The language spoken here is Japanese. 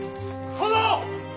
殿！